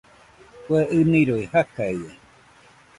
Kue ɨniroi jakaɨe